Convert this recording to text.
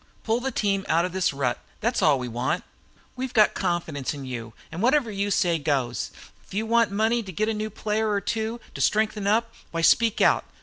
Pull the team out of this rut, that's all we want. We've got confidence in you, and whatever you say goes. If you want money to get a new player or two to strengthen up, why speak out.